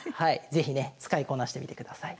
是非ね使いこなしてみてください。